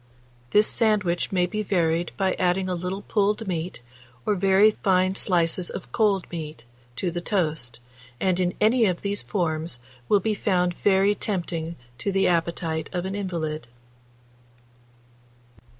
This sandwich may be varied by adding a little pulled meat, or very fine slices of cold meat, to the toast, and in any of these forms will be found very tempting to the appetite of an invalid.